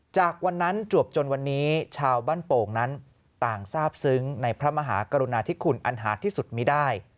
จากวันนั้นจวบจนวันนี้ชาวบ้านโป่งนั้นต่างทราบซึ้งในพระมหากรุณาธิคุณอันหาที่สุดมีได้